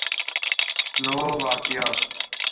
Slovakia